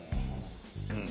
うん。